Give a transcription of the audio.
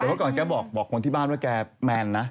เพราะก็ก่อนแกบอกคนที่บ้านว่าแกเมนนะ